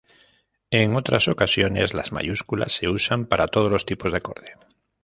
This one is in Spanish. En otras ocasiones, las mayúsculas se usan para todos los tipos de acorde.